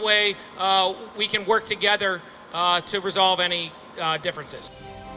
agar kita bisa bekerja bersama untuk mengelolohkan perbedaan